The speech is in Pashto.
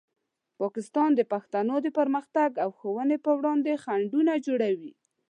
پاکستان د پښتنو د پرمختګ او ښوونې په وړاندې خنډونه جوړوي.